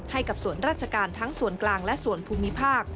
ให้กับส่วนราชการทั้งส่วนกลางและส่วนภูมิภาค